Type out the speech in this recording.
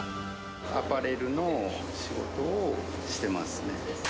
アパレルの仕事をしてます。